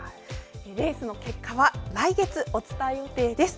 レースの結果は来月お伝え予定です。